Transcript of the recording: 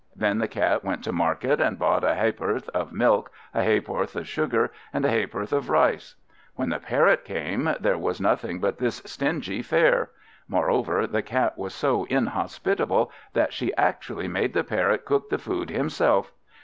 Then the Cat went to market and bought a ha'porth of milk, a ha'porth of sugar, and a ha'porth of rice. When the Parrot came there was nothing but this stingy fare. Moreover, the Cat was so inhospitable, that she actually made the Parrot cook the food himself!